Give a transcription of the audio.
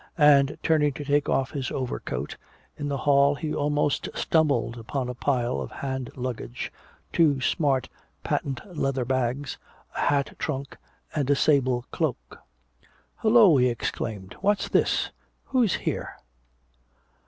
And turning to take off his overcoat, in the hall he almost stumbled upon a pile of hand luggage, two smart patent leather bags, a hat trunk and a sable cloak. "Hello," he exclaimed. "What's this? Who's here?"